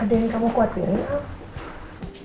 ada yang kamu khawatirin